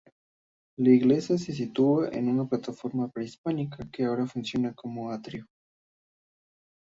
La iglesia se sitúa sobre una plataforma prehispánica que ahora funciona como atrio.